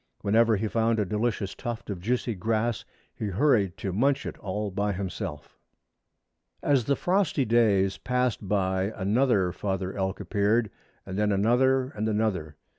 Whenever he found a delicious tuft of juicy grass he hurried to munch it all by himself. As the frosty days passed by another father elk appeared, and then another and another.